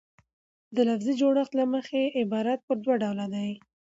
د لفظي جوړښت له مخه عبارت پر دوه ډوله ډﺉ.